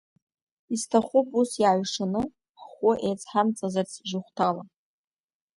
Исҭахуп ус, иааҩшаны, ҳхәы еицҳамҵазарц жьыхәҭала.